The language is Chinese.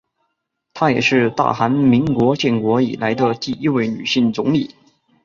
她也是大韩民国建国以来的第一位女性总理。